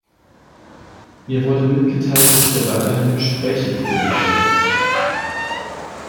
Mir wurde mitgeteilt, dass wir weiterhin Gespräche führen können.